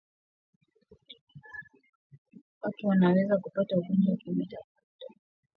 Watu wanaweza kupata ugonjwa wa kimeta kwa kuvuta hewa yenye viini vya bakteria